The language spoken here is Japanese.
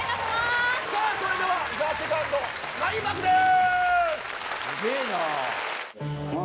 それではＴＨＥＳＥＣＯＮＤ開幕です。